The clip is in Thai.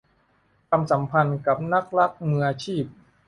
ความสัมพันธ์กับนักรักมืออาชีพ